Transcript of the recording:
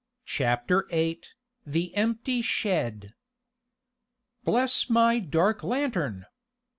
Chapter Eight The Empty Shed "Bless my dark lantern!